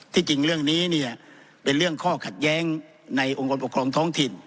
จริงเรื่องนี้เนี่ยเป็นเรื่องข้อขัดแย้งในองค์กรปกครองท้องถิ่น